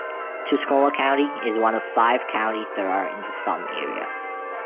Tuscola County is one of five counties that are in the Thumb area.